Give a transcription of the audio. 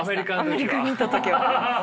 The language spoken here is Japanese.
アメリカにいた時は。